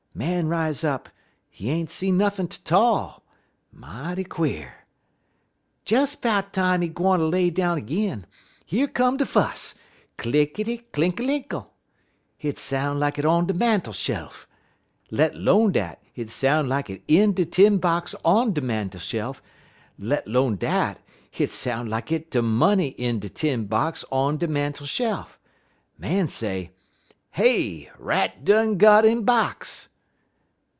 _ Man rise up, he ain't see nothin' 'tall. Mighty quare! "Des 'bout time he gwine ter lay down 'g'in, yer come de fuss clinkity, clinkalinkle. Hit soun' like it on de mantel shel uf; let 'lone dat, hit soun' like it in de tin box on de mantel shel uf; let 'lone dat, hit soun' like it de money in de tin box on de man tel shel uf. Man say: "'Hey! rat done got in box!'